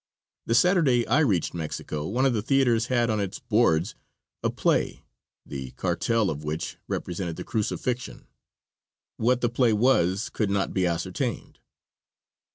The Saturday I reached Mexico one of the theaters had on its boards a play, the cartel of which represented the crucifixion. What the play was could not be ascertained.